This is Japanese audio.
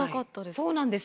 そうなんです。